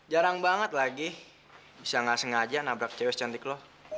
jarang banget lagi bisa gak sengaja nabrak cewek cantik lo